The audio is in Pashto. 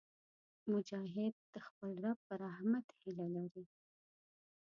مجاهد د خپل رب په رحمت هیله لري.